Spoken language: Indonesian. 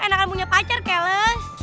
enakan punya pacar keles